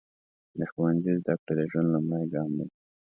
د ښوونځي زده کړه د ژوند لومړی ګام دی.